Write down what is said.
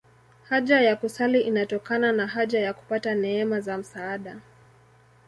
Haja ya kusali inatokana na haja ya kupata neema za msaada.